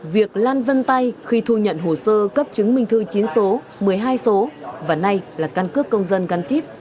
việc lan vân tay khi thu nhận hồ sơ cấp chứng minh thư chín số một mươi hai số và nay là cân cước công dân căn chíp